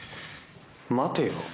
待てよ